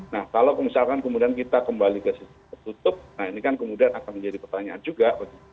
nah kalau misalkan kemudian kita kembali ke sistem tertutup nah ini kan kemudian akan menjadi pertanyaan juga